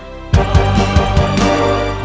nama aku kenanga